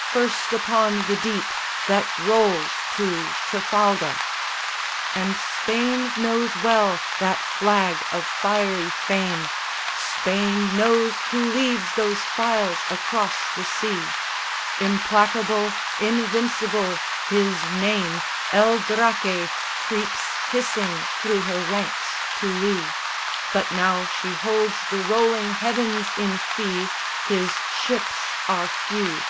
first upon the deep that rolls to Trafalgar! And Spain knows well that flag of fiery fame, Spain knows who leads those files across the sea; Implacable, invincible, his name El Draque, creeps hissing through her ranks to lee; But now she holds the rolling heavens in fee, His ships are few.